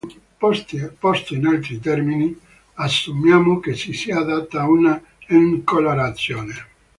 Posto in altri termini, assumiamo che ci sia data una "n"-colorazione.